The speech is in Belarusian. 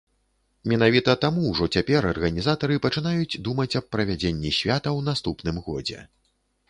Менавіта таму ўжо цяпер арганізатары пачынаюць думаць аб правядзенні свята ў наступным годзе.